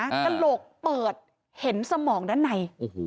กระโหลกเปิดเห็นสมองด้านใน